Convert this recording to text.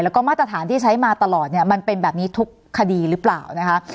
แล้วก็มาตรฐานที่ใช้มาตลอดเนี่ยมันเป็นแบบนี้ทุกคดีหรือเปล่านะคะ